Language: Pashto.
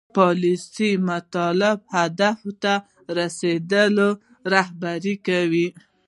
پالیسي مطلوبو اهدافو ته رسیدل رهبري کوي.